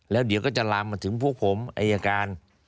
แล้วเดี๋ยวก็จะลามมาถึงพวกผมอายการ